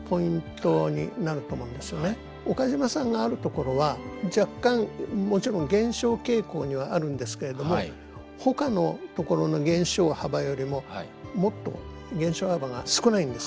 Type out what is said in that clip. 岡島さんがあるところは若干もちろん減少傾向にはあるんですけれどもほかのところの減少幅よりももっと減少幅が少ないんですよ。